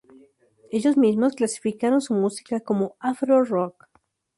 Ellos mismo clasificaron su música como ""afro rock"".